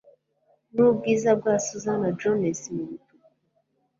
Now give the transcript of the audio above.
nubwiza bwa susanna jones mumutuku